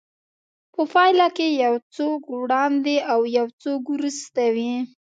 په پايله کې يو څوک وړاندې او يو څوک وروسته وي.